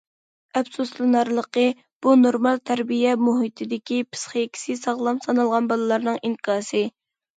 ئەپسۇسلىنارلىقى، بۇ نورمال تەربىيە مۇھىتىدىكى پىسخىكىسى ساغلام سانالغان بالىلارنىڭ ئىنكاسى.